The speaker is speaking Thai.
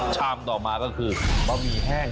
ต่อมาก็คือบะหมี่แห้ง